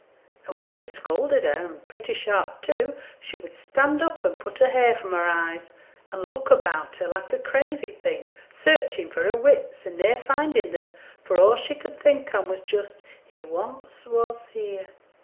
And when they scolded her, and pretty sharp too, she would stand up and put her hair from her eyes, and look about her like a crazy thing searching for her wits, and ne'er finding them, for all she could think on was just, "He once was here."